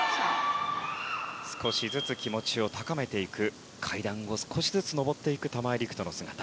少しずつ気持ちを高めていく階段を少しずつ上っていく玉井陸斗の姿。